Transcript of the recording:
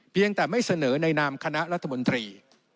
เพียงแต่ไม่เสนอในนามคณะรัฐมนตรี